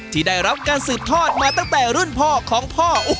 ที่ได้รับการสืบทอดมาตั้งแต่รุ่นพ่อของพ่อ